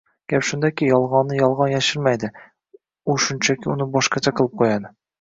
Gap shundaki, yolg‘onni yolg‘on yashirmaydi, u shunchaki uni boshqacha qilib qo‘yadi.